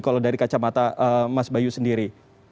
kalau dari kacamata mas bayu sendiri